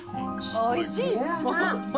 おいしい！